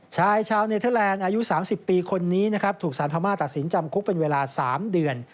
ชายชาวเนเทอร์แลนด์อายุ๓๐ปีคนนี้นะครับถูกสารพม่าตัดสินจำคุกเป็นเวลา๓เดือน